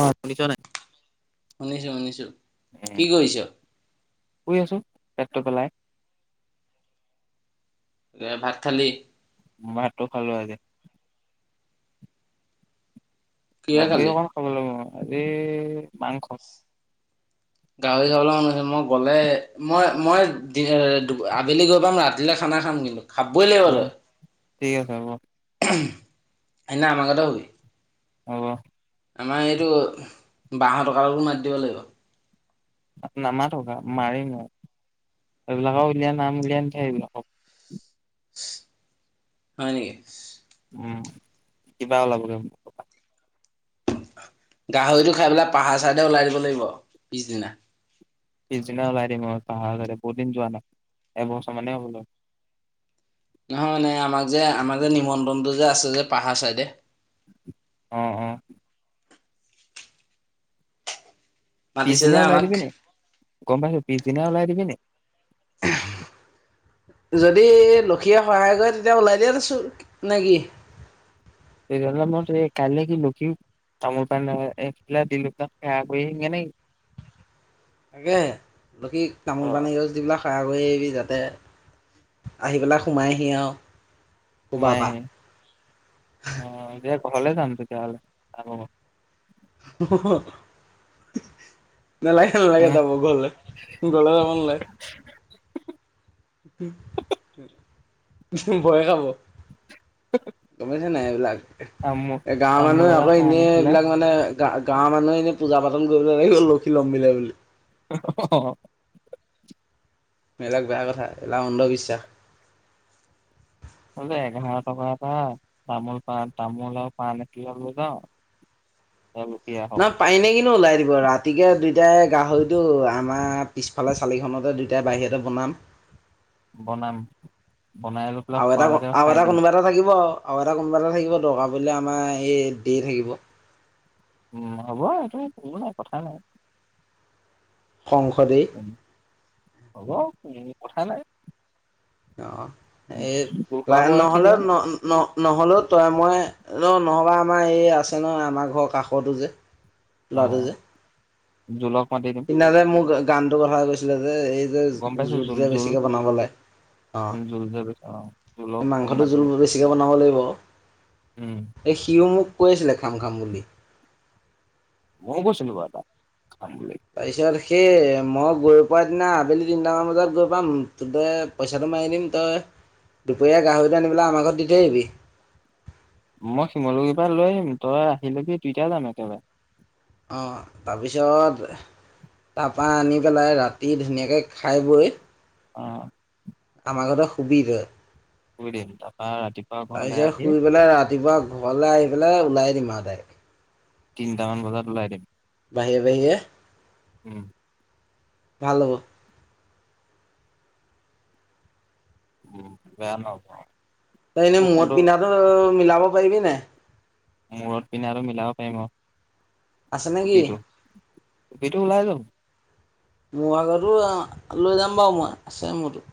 অ শুনিছ নাই। শুনিছো শুনিছো উম কি কৰিছ। শুই আছোঁ পেটটো পেলাই। এ ভাত খালি। ভাটো খালোঁ আজি। কিহে গাহৰি খালি অকণ খাব লাগিব আজি মাংস। গাহৰি খাবলৈ মন গৈছে মই গ'লে মই মই আবেলি গৈ পাম ৰাতিলে খাম। মই খাম কিন্তু খাববৈ লাগিব অ তই। ঠিক আছে হ'ব। এ আমাৰ ঘৰতে শুবি। হব। আমাৰ এইটো বাৰশ টককো মাতী দিব লাগিব। নামাটো থকা মাৰিম আৰু এইবিলাকক উলিয়াই নাম উলিয়াই সেইবিলাকক। হয় নেকি। উম কিবা ওলাব ৰ। গাহৰিটো খাই পেলাই পাহাৰ চাইডে ওলাই যাব লাগিব পিছদিনা। পিছদিনা ওলাই দিম পাহাৰ ফালে বহুত দিন যোৱা নাই এবছৰ মানে হ'ব হল। নহয় নে আমাক যে আমাৰ যে নিমন্ত্ৰণটো যে আছে যে পাহাৰ চাইডে। অ অ। মাতিছে পিছদিনা যে ওলাই আমাক দিবি নে গম পাইছো পিছদিনা ওলাই দিবি নে। । [unintelligible] যদি লক্ষীয়ে সহায় কৰে তেতিয়া ওলাই দিয়াত আছোঁ নে কি। এক্সজামত ন কাইলৈ কি লিখিম। তামোল পানএইখিলা দিলো তাত সেৱা কৰি আহিম নিকি। তাকে, বাকী অ তামোল -পান এগছ দি সেৱা কৰিম নিকি। ঘৰ এৰি যাতে, আহি পেলাই সোমাইহি আৰু। ক'বাৰ সোমাই। পৰা অ'! সেইটোৱে ঘৰলে যাম তেতিয়াহ'লে। [unintelligible] নালাগে, নালাগে, যাব ঘৰলে। ঘৰলে যাব নালাগে। ভয়ে খাব। গম পাইছা নাই এইবিলাক, তামোল এ' গাঁৱৰ তামোল মানুহে এটা আকৌ, পাণ এনেই এখিলা এইবিলাক মানে গা গাঁৱৰ মানুহে এনে পূজা পাতল কৰিব লাগিব, লক্ষী লম্ভিলে বুলি। অ'! সেই বিলাক বেয়া কথা এইবিলাক অন্ধবিশ্বাস। হ'লেও এঘাৰ টকা এটা, তামোল পাণ, তামোল আৰু পাণ এক কিলো লবা। [inaudible] না, পাই নে কিনো ওলাই দিব ৰাত ৰাতিকে দুইটাই গাহৰিটো, আমাৰ পিছফালে, চালিখনতে দুইটাই বাহিৰতে বনাম। [inaudible] বনাম। বনাই লৈ পেলাই আৰু এটা খোৱালৈকে আৰু খাই এটা দিম কোনোবা এটা থাকিব আও। আৰু এটা কোনোবা এটা থাকিব দৰকাৰ পৰিলে, আমাৰ এই দি থাকিব। উম, হ'ব এইটো, একো নাই, কথা নাই। সংসদেই হ'ব, কথা নাই। অ'! এই জোল খোৱাকো ক্লাইন্ট ৰাখি নহ'লেও, দিয়ক ন' ন' নহ'লেও তই মই অ'! নহ'বা আমাৰ এই, আছে নহয়, আমাৰ ঘৰৰ কাষটো যে, ল'ৰাটো যে। জোনক সইদিনা যে, মোক গানটোৰ কথা কৈছিলে যে, এই যে গম পাইছো জোত জোল যে জোল বেছিকে বনাব লাগে। অ'! জোল যে কৈছে অ জোলক এই মাংসটো মাতি জোল দিম বেছিকে বনাব লাগিব আও। উম এই সিও মোক কৈছিলে খাম, খাম বুলি। মইয়ো কৈছিলোঁ বাৰু তাক খাম বুলি। তাৰপিছত সেই, মই গৈ পোৱাৰ দিনা, আবেলি তিনিটামান বজাত গৈ পাম। তই পইচাটো মাৰি দিম, তই দুপৰীয়া গাহৰিটো আনি পেলাই আমাৰ ঘৰত দি থৈ আহিবি। মই শিমলুগুৰি পৰা লৈ আহিম। তই আহিলেহি দুইটাই যাম একেবাৰে। অ'! তাৰপিছত তাৰপৰা আনি পেলাই, ৰাতি ধুনীয়াকে খাই বৈ অ'! আমাৰ ঘৰতে শুবি তই। শুই দিম তাৰপা ৰাতিপুৱা ঘৰলে তাৰপিছত, আহি শুই পেলাই ৰাতিপুৱা ঘৰলে আহি পেলাই, ওলাই দিম আও। [unintelligible] তিনিটামান বজাত ওলাই দিম। বাহিয়ে, বাহিয়ে। উম! ভাল হ'ল। উম, বেয়া নহ'ব। তই এনেই, মোৰ ফোনটো মূৰত পিন্ধাটো মিলাব পাৰিবি নাই? মূৰত পিন্ধাটো মিলাব পাৰিম অ'! আছে নেকি টুপীটো, টুপীটো ওলাই লম। মোৰ আগৰটো, অ'! লৈ যাম বাওঁ মই, আছে মোৰটো।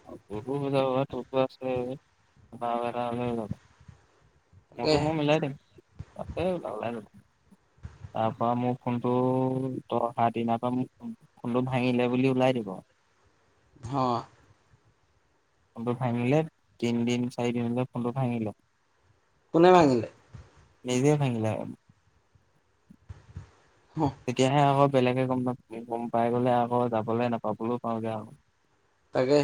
[unintelligible] তাৰপা আৰু এটা লৈ লম। মোৰতো তাকেহে মই মিলাই দিম। [unintelligible] [inaudible] তাৰ পৰা মোৰ ফোনটো ত অহা দিনা পা মোক ফোনটো ভাঙিলে বুলি ওলাই দিব। হ। ফোনটো ভাঙিলে তিনিদিন চাৰি দিনতে ফোনটো ভাঙিলে। কোনে ভাঙিলে? নিজে ভাঙিলে আৰু। তেতিয়াহে আক বেলেগে গম নাপ গম পাই গ'লে আক যাবলে নাপাবলেও পাওঁগে আও তাকে।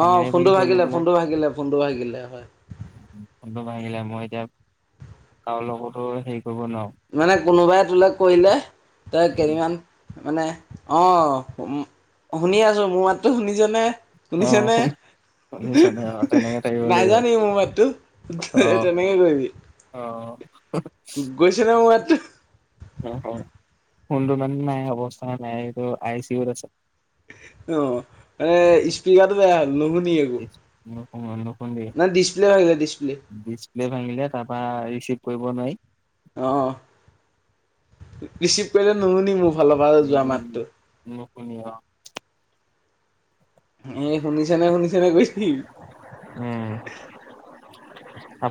অ বুলি ফোনটো কৈ লৈ ভাগিলে পেলাই ফোনটো ভাগিলে ফোনটো ভাগিলে হয়। ফোনটো ভাঙিলে, মই এতিয়া কাৰো লগতো সেই মানে কোনোবাই তোলে কৰিলে তই উম, কেইদিনমান মানে অঁ শুনি আছোঁ। মোৰ মাতটো শুনিছেনে? শুনিছেনে? শুনিছানে অ, তেনেকে থাকিব [unintelligible] নাই লাগিব। যোৱা নেকি মোৰ মাততো? [unintelligible] তেনেকে কৰিবি। অ। গৈছেনে মোৰ মাতটো কোনটোমান নাই অৱস্থা নাইটো আই চি ইউত আছে। অ এ স্পিকাৰটো বেয়া হল নহু ডিচ অ নকং দেই ডিছপ্লে ভাগিলে ডিছপ্লে ডিছপ্লে ভাঙিলে তাৰপ ৰিচিভ কৰিব নোৱাৰি অ ৰিচিপ কৰিলে নুলোনি মোক ফালৰ পৰা যোৱা মাতটো। শুনি অ এ শুনিছেনে শুনিছেনে কৈ থাকিবি। উম,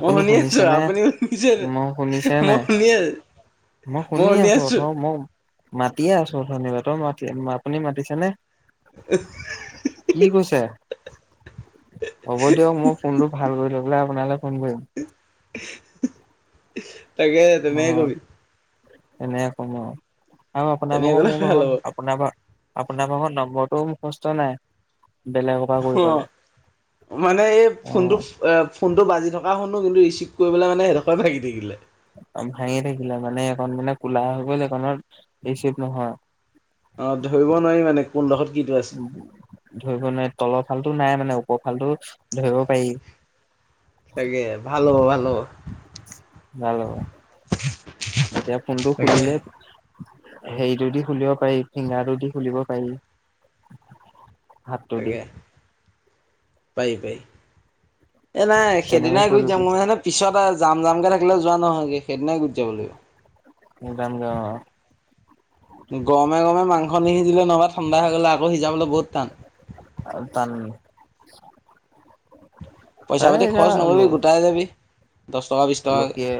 মই শুনি আছো শুনিছেনে? আপুনি শুনিছে মই শুনিছে মই নাই? শুনি আছো মই শুনি আছো ৰ মই মাতিয়ে আছো অঠনিবা তই মাতি আপুনি মাতিছেনে উ কি কৈছে হ'ব দিয়ক মই ফোনটো ভাল কৰি ল বোলে আপোনালে ফোন কৰিম তাকে তুমিয়ে কৰিবি এনেকে কম আৰু আৰু আপোনাৰ তেনেকে ভাগ গ'লে মোৰ ভাল ভাগ হ'ব আপোনাৰ পৰা আপোনাৰ ভাগ নম্বৰটোও মুখস্থ নাই বেলেগৰ পৰা কৰি অ পেলাই মানে এই অ ফোনটো ফোনটো বাজি থকা শুনো কিন্তু ৰিচিভ কৰিবলে মানে হেদখই ভাগি থাকিলে। ভাঙি থাকিলে মানে এইখন মানে কোলা হৈ গ'ল এইখনত এই ৰিচিপ নহয়। অ', ধৰিব নোৱাৰি মানে কোনডোখৰত কিটো আছে ধৰিব নোৱাই তলত ফালটো টো নাই মানে উপফালটো ধৰিব পাৰি। তাকে ভাল হ'ব ভাল হ'ব। ভাল হ'ব এতিয়া ফোনটো তাকে খুলিলে হেৰিটো দি খুলিব পাৰি ফিংগাৰটো দি খুলিব পাৰি। হাতটো দি তাকে পায়ি পয়ি। এ নাই তেনেকে সেইদিনাই কৰিলো গুচিযাম মই নে পিছত জাম জামকে থাকিলে যোৱা নহয় কি সেইদিনাই গুচিযাব লাগিব। [unintelligible] গৰমে গৰমে মাংস নিসিজিলে নহবা ঠাণ্ডা হৈ গ'লে আকৌ সিজাবলে বহুত টান। তান [unintelligible] পইচা আৰে পাতি খৰচ নকৰিবি গোটাই যাবি। দহ টকা বিশ টকা। লক্ষীয়ে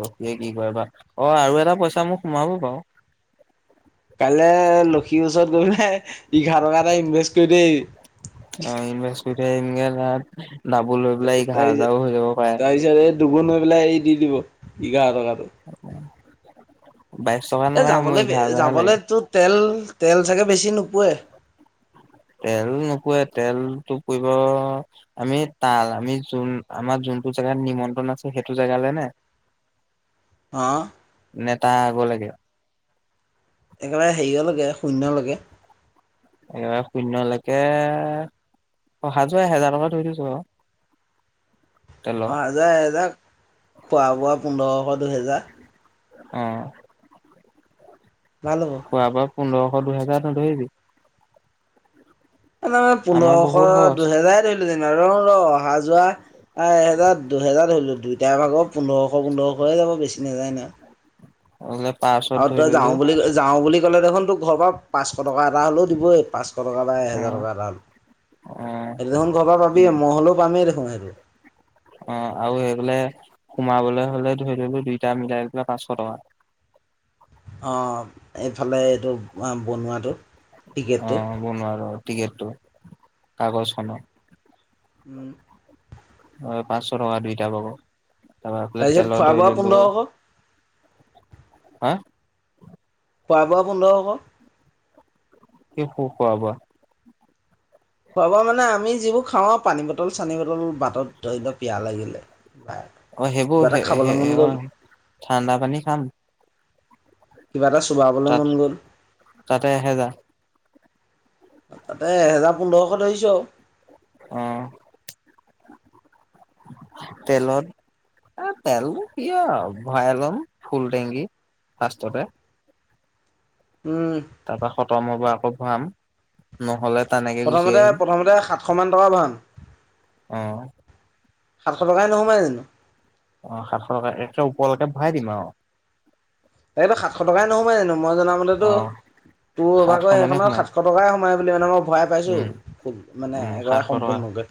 লক্ষীয়ে কি কৰে বা অ আৰু এটা পইচা মোক সোমাব বাৰু। কাইলৈ লক্ষীৰ ওচৰত গৈ পেলাই এঘাৰ টকাটা ইনভেষ্ট কৰি দেই দাবোল লৈ পেলাই ই ঘাঁহ তাৰপিছত হাজাৰও হৈ যাব পাৰে। তাৰপিছত এই দুগুণ হৈ পেলাই এই দি দিব এঘাৰ টকাত। উ [inaudible] এ যাবলৈ এঘাৰ হাজাৰহে লাগে যাবলৈতো তেল তেল চাগে বেছি নোপোৱে। তেল নুপোৱে তেলতটো পুইব আমি তাল আমি জুন আমাৰ জ যোনটো জেগাত নিমন্ত্ৰণ আছে সেইটো জেগালে নে? [inaudible] অ নেতা আগ লাগে? একেবাৰে হেৰিয় লাগে শূন্য লকে। এইবাৰ শূনয়লৈকে অহা যোৱা এহেজাৰ টকা ধৰি দিছো আৰু। তেলৰ অহা-যোৱা এহেজাৰ, খোৱা বোৱা পোন্ধৰশ দুহেজাৰ। আহ ভাল হ'ব খোৱা বোৱা পোন্ধৰশ দুইহেজাৰ ন ধৰিবি তাৰ মে আমাৰ বহুত পোন্ধৰশ খৰচ দুহেজাৰ ধৰিলো যেন ৰ ৰ অহা যোৱা এ এহেজাৰ দুহেজাৰ ধৰিলো দুইটাৰ ভাগৰ পোন্ধৰশ পোন্ধৰশয়ে যাব বেছি নাযায় ন পাৰ্চত আৰু ধৰি তই যাও ললো বুলি যাও বুলি ক'লে দেখোন তোক ঘৰ পৰা পাঁচশ টকা এটা হলেও দিবই পাঁচশ পাঁচশ টকা এটা অ এহেজাৰ টকা এটা সেইটো দেখোন ঘৰ পৰা অ পাবি ম হ'লেও পামেই দেখোন সেইটো অ আৰু সেই গলে সোমাবলৈ হ'লে ধৰি ললো দুইটা মিলাই ললে পাঁচশ টকা অঁ এইফালে এইটো বনোৱাটো অ টিকেটটো বনোৱা আৰু টিকেটটো কাগজখনৰ উম হয় পাঁচশ টকা দুইটা বগৌ তাৰ পা এইফালে তাৰপিছত তেলত খোৱা বোৱা ধৰিললো পোন্ধৰশ হা খোৱা বোৱা পোন্ধৰশ কি কি খোৱা বোৱা খোৱাাবোৱা মানে আমি যিবোৰ খাওঁ পানী বটল চানী বটল বাটত ধৰি ল পিয়াহ লাগিলে বা অ সেইবোৰ কিবা এটা হে খাবলৈ হে মন হে গ'ল ঠাণ্ডা পানী খাম কিবা এটা চোবাবলৈ তাত মন গ'ল তাতে এহেজাৰ তাতে এহেজাৰ পোন্ধৰশ ধৰিছো আৰু অ তেলত এ তেল কি ভয়াই লম ফুল টেংকি ফাৰ্ষ্টততে আৰু তাৰ পা খতম হ'ব আকৌ ভৰাম নহ'লে তেনেকে গুচি প্ৰথমতে আহিম প্ৰথমতে সাতশ মান টকা ভৰাম অ সাতশ টকাই নোসোমায় জানো অ সাতশ টকা একে ওপৰলৈকে ভৰাই দিম আও তাকে সাতশ টকাই নোসোমাই জানো মই জনামতেতো অ তোৰ সাতশ ভাগৰ মানে সেইখনত সোমাই সাতশ টকাই সোমাই বুলি মানে মই ভৰাই পাইছোঁ উম ফুল মানে উম একেবাৰে সাতশ টকা সম্পূৰ্ণকৈ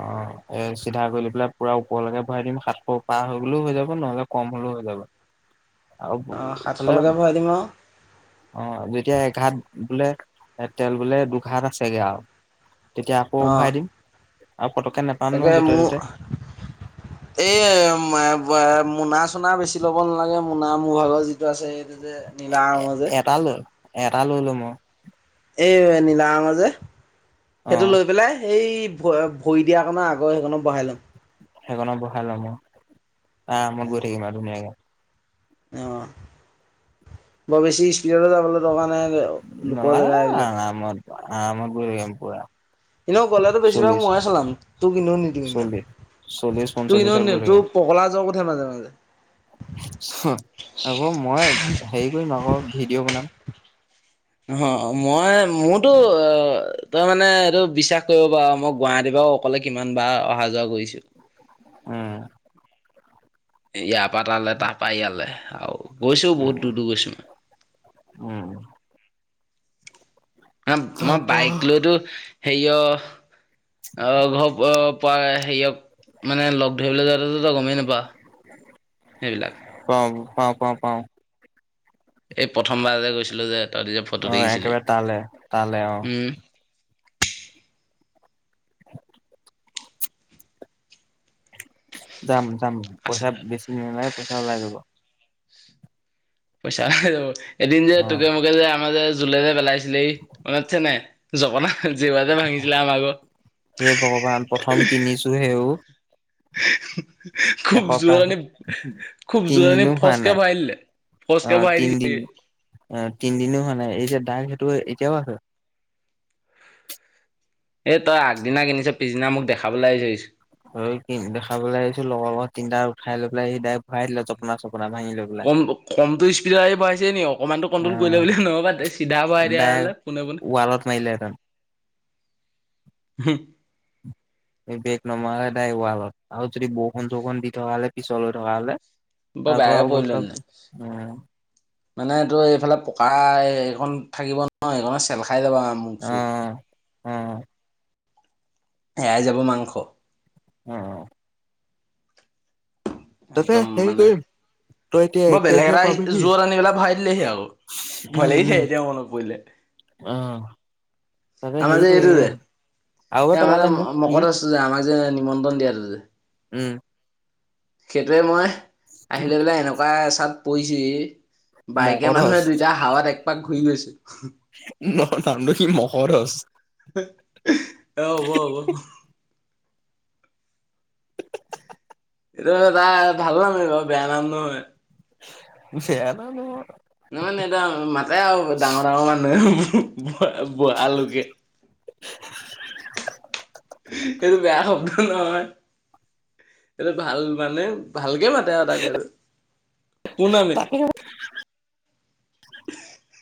অ এই চিধা গৈ পেলাই পুৰা ওপৰলৈকে ভৰাই দিম সাতশ পাৰ হৈ গ'লো হৈ যাব নহলে কম হলেও হৈ যাব আৰু অ', ইফালে সাতশলৈকে হল ভৰাই দিম আৰু অ যেতিয়া এঘাট বোলে তেল বোলে দুঘাট আছেগে আও তেতিয়া আকৌ অ', ভৰাই দিম আৰু পতককে নেপাম তাকে নহয় য'তে ত'তে মোৰ এ মোনা চোনা বেছি ল'ব নালাগে মোনা মোৰ ভাগৰ যিটো আছে যে নিলা ৰঙৰ যে এটা লৈ এটা ল‌ই লম অঁ এই নীলা ৰঙৰ যে সেইটো অ', লৈ পেলাই সেই ভ ভৰি দিয়াৰ কণ আগৰ সেইকনত বহাই ল'ম। সেইখনত বহাই লম আৰু আৰমত গৈ থাকিম আও ধুনীয়াকে। অ বৰ বেছি স্পীড যাবলৈ দৰকা নাই লোকৰ নালাগে জেগা সেইবিলাক। আৰামত আৰামত গৈ থাকিম পুৰা এনে গলেতো বেছিভাগ চল্লিশ মইয়ে চলাম তোক এনেও নিদিও ইমান। চল্লিশ চল্লিশ তোৰ এনেও পঞ্চল্লিশত গৈ নিদো, পগলা জক উঠে মাজে মাজে। হে আকৌ মই হেৰি কৰিম আক ভিডিঅ' বনাম। অ মই মোৰতো অ তই মানে এইটো বিশ্বাস কৰিব পাৰ মই গুৱাহাটীৰ পা অ অকলে কিমান বাৰ অহা যোৱা কৰিছো। উম। ইয়াৰ পা তালে তাৰ পা ইয়ালে আও। গৈছো উম, বহুত দূৰ দূৰ গৈছো মই। মই বাইক লৈতো হেয় অ ঘৰ অ ঘৰ পা হেয় মানে লগ ধৰিবলৈ যাতে তই গমেই নাপা সেইবিলাক। পাওঁ, পাওঁ পাওঁ পাওঁ। এই প্ৰথমবাৰ যে গৈছিলো যে তই যে ফটো অ', দেখিছিলি একেবাৰে তালে, তালে অ', উম। [unintelligible] যাম যাম আছে পইচা বেছি ন নাই পইচা ওলাই যাব। পইচা এদিন যে অ', তোকে মোকে যে আমাৰ যে জোলেৰে পেলাইছিলে এই মনত আছে নাই জপনা। জিবাতে ভাঙিছিলে আমাৰ ঘৰত, হে ভগৱান হি প্ৰথম হি হি। কিনিছো হেও হি খুব এসপ্তাহ জোৰণী খুব জোৰণী তিনদিনো হোৱা ফচকে নাই। ভৰাই দিলে। ফচকে অ', ভৰাই দি তিনদিন অ তিনদিনো হোৱা নাই এ যে দাগ সেইটো এতিয়াও আছে। এ তই আগদিনা কিনিছ। পিছদিনা মোক দেখাবলৈ আহিছ দেখাবলৈ আহিছো লগৰ লগত তিনটা খাই লৈ পেলাই সেই ডাইৰেক্ট ভৰাই দিলে জপনা চপ কম কমটো স্পীডত আহি ভৰাইছেনি অকণমান কনট্ৰল কৰিলে বুল নহ'বা তে চিধা ভৰাই এতিয়া। ওৱালাত মাৰি হেতেন। হুম। এই বেক নমাৰকে তাই ৱালত আৰু যদি বৰষুণ চৰষুণ দি থকা হ'লে পিছলৈ থকা হ'লে বৰ তাৰপৰা বেয়াকে পৰিলো অৱস্থা মানে, উম, মানে তই এইফালে পকা এইখন থাকিব ন সেইখন চেল খাই যাবা মোখ চুখ। অ', অ', এয়াই যাব মাংস উম। একদম হেৰি মানে, কৰিম তই এতিয়া বৰ এক বেলেগ তাৰিখে এটা পাবিহি। জোৰ আনি পেলাই ভাই দিলেহি আকৌ। ভয় লাগি যায় এতিয়া মনত পৰিলে। অহ। আমাৰ যে এইটো যে আৰু এবাৰ এই পেলালে মোক আমাৰ সি মকৰস্ত যে আমাৰ যে নিমন্ত্ৰণ দিয়াটো যে। উম। সেইটোৱে মই আহিলে পেলাই এনেকুৱা এ চাত পৰিছোহি বাইকে মানুহে মগধচ দুইটা হাৱাত এক পাক ঘূৰি গৈছে। ন নামটো সি মগধচ অ হব হ'ব। এইটো ত এটা ভাল নাম সেইটো বেয়া নাম নহয়। চেহেৰা নহয়। ন মানে এয়া মাতে আৰু ডাঙৰ ডাঙৰ মানুহে। হুম ভ ভ আলুকে। এইটো বেয়া শব্দ নহয়, এইটো ভাল মানে ভালকে মাতে আৰু তাক আৰু কোন আমি তাকে [inaudible]